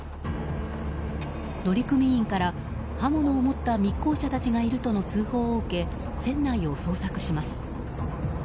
乗組員から、刃物を持った密航者たちがいるとの通報を受け、船内を捜索します。